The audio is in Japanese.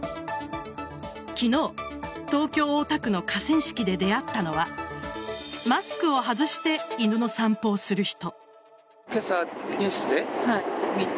昨日、東京・大田区の河川敷で出会ったのはマスクを外して犬の散歩をする人。